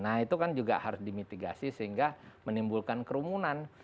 nah itu kan juga harus dimitigasi sehingga menimbulkan kerumunan